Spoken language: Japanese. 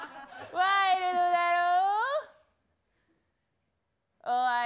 ワイルドだろぉ。